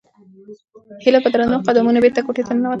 هیله په درنو قدمونو بېرته کوټې ته ننووتله.